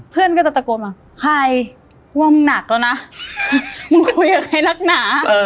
เพื่อนก็จะตะโกนมาใครว่ามึงหนักแล้วนะมึงคุยกับใครรักหนา